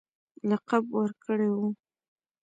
لقب ورکړی وو.